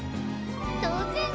当然！